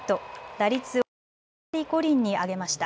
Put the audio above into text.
打率を３割５厘に上げました。